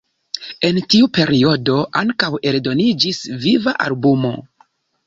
En tiu periodo ankaŭ eldoniĝis viva albumo.